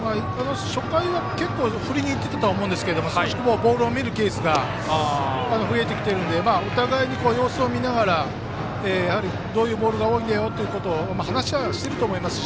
初回は振りにいってたと思うんですが少し、ボールを見るケースが増えてきているのでお互いに様子を見ながらどういうボールが多いんだよということは話し合いはしていると思いますし